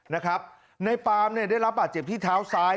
นะครับในปาล์มเนี่ยได้รับบาตเจ็บที่เท้าซ้าย